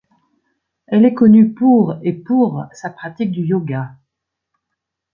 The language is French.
Elle est connue pour et pour sa pratique du yoga.